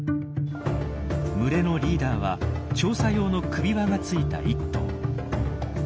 群れのリーダーは調査用の首輪がついた１頭。